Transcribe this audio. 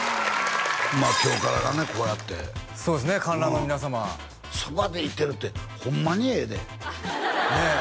まあ今日からはねこうやってそうですね観覧の皆様そばにいてるってホンマにええでねえ